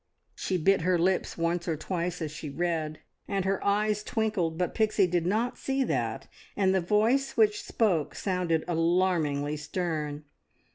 She bit her lips once or twice as she read, and her eyes twinkled, but Pixie did not see that, and the voice which spoke sounded alarmingly stern.